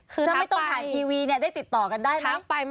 คือถ้าไม่ต้องผ่านทีวีเนี่ยได้ติดต่อกันได้ไหม